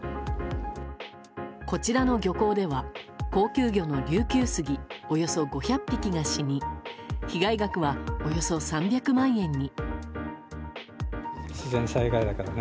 こちらの漁港では、高級魚の琉球スギおよそ５００匹が死に被害額は、およそ３００万円に。